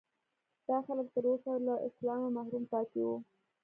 دا خلک تر اوسه له اسلامه محروم پاتې وو.